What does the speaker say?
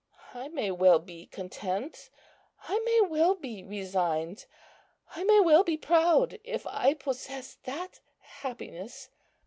I may well be content, I may well be resigned, I may well be proud, if I possess that happiness.